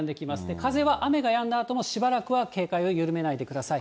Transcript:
風は雨がやんだあともしばらくは警戒を緩めないでください。